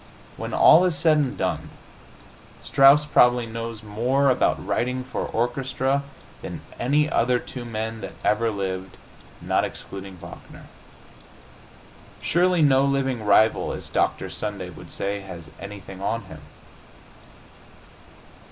When all is said and done, Strauss probably knows more about writing for orchestra than any other two men that ever lived, not excluding Wagner. Surely no living rival, as Dr. Sunday would say, has anything on him.